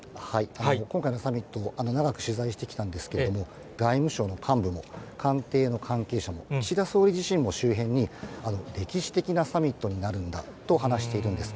今回のサミット、長く取材してきたんですけれども、外務省の幹部も、官邸の関係者も、岸田総理自身も周辺に、歴史的なサミットになるんだと話しているんです。